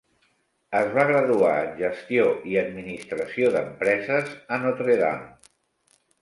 Es va graduar en Gestió i Administració d"empreses a Notre Dame.